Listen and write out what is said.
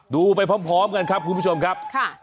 ดูไปพร้อมกันครับคุณผู้ชมครับ